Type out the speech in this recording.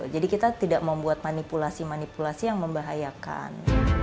jadi kita tidak membuat manipulasi manipulasi yang membahayakan